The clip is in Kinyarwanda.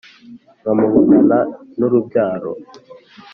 nkamubonana n'urubyaro